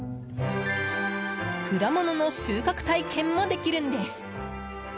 果物の収穫体験もできるんです。